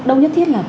đâu nhất thiết là